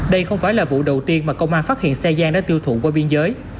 đây không phải là vụ đầu tiên mà công an phát hiện xe gian đã tiêu thụ qua biên giới